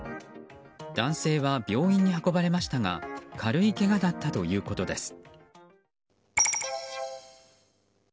男性は病院に運ばれましたが軽いけがだったということです。